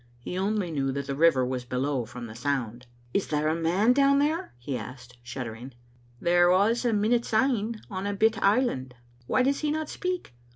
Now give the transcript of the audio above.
He only knew that the river was below from the sound. " Is there a man down there?" he asked, shuddering. There was a minute syne ; on a bit island. " "Why does he not speak?"